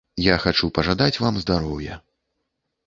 Я хачу пажадаць вам здароўя.